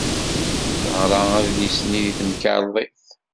Teɣra adlis-nni deg temkarḍit.